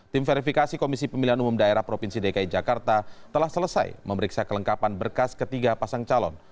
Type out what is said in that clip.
tim verifikasi komisi pemilihan umum daerah provinsi dki jakarta telah selesai memeriksa kelengkapan berkas ketiga pasang calon